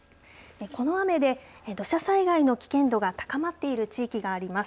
この雨で土砂災害の危険度が高まっている地域があります。